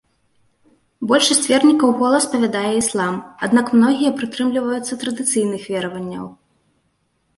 Большасць вернікаў гола спавядае іслам, аднак многія прытрымліваюцца традыцыйных вераванняў.